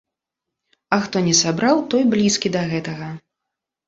А хто не сабраў, той блізкі да гэтага.